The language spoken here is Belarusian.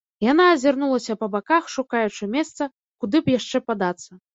Яна азірнулася па баках, шукаючы месца, куды б яшчэ падацца.